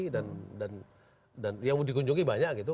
dan yang mau dikunjungi banyak gitu